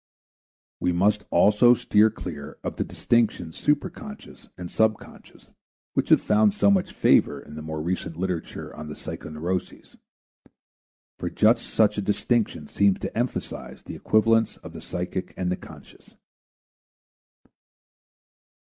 We must also steer clear of the distinctions superconscious and subconscious which have found so much favor in the more recent literature on the psychoneuroses, for just such a distinction seems to emphasize the equivalence of the psychic and the conscious.